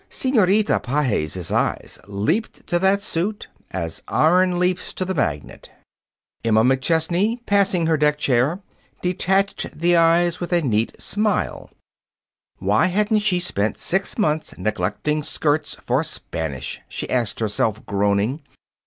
Senorita Pages' eyes leaped to that suit as iron leaps to the magnet. Emma McChesney, passing her deck chair, detached the eyes with a neat smile. Why hadn't she spent six months neglecting Skirts for Spanish? she asked herself, groaning.